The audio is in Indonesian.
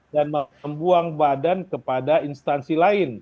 dan membuang badan kepada instansi lain